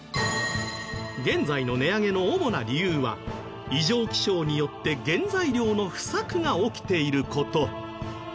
現在の値上げの主な理由は異常気象によって原材料の不作が起きている事。